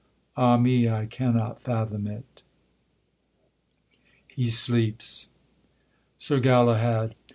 Ah! me, I cannot fathom it. [He sleeps. SIR GALAHAD.